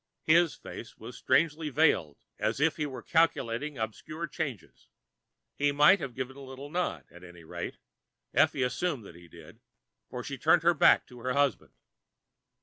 His face was strangely veiled, as if he were calculating obscure changes. He might have given a little nod; at any rate, Effie assumed that he did, for she turned back to her husband.